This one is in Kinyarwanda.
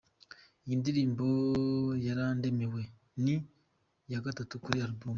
Iyi ndirimbo ‘Warandemewe’ ni ya gatanu kuri album.